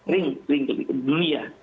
ring ring ke dunia